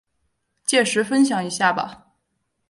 届时分享一下吧